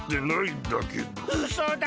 うそだ。